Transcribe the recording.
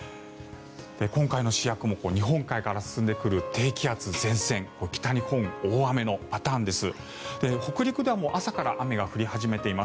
今回の主役も日本海側から運んでくる低気圧の前線北日本、大雨のパターンです。